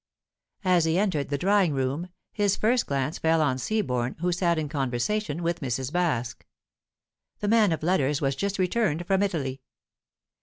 As he entered the drawing room, his first glance fell on Seaborne, who sat in conversation with Mrs. Baske. The man of letters was just returned from Italy.